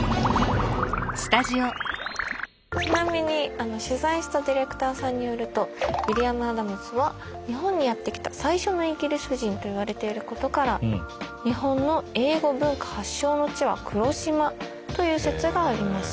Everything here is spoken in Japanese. ちなみに取材したディレクターさんによるとウィリアム・アダムスは日本にやって来た最初のイギリス人といわれていることから日本の英語文化発祥の地は黒島という説があります。